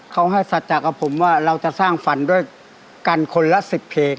เขาให้สัจจะกับผมว่าเราจะสร้างฝันด้วยกันคนละ๑๐เพลง